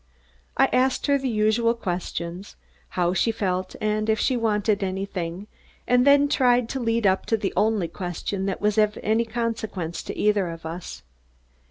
I asked her the usual questions, how she felt and if she wanted anything, and then tried to lead up to the only question that was of any consequence to either of us.